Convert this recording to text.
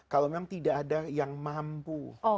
kalau memang tidak ada yang mampu